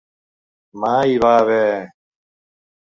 Mai hi va haver...